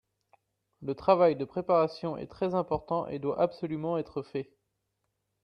Le travail de préparation est très important et doit absolument être fait